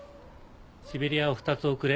シベリヤを２つおくれ。